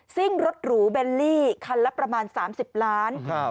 ซึ่งรถหรูเบนลี่คันละประมาณสามสิบล้านครับ